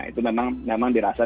itu memang dirasa